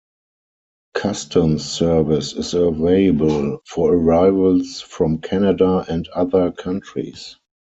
Customs service is available for arrivals from Canada and other countries.